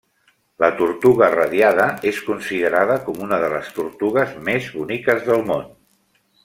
La tortuga radiada és considerada com una de les tortugues més boniques del món.